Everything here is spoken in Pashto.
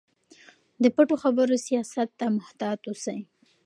د پټو خبرو سیاست ته محتاط اوسئ.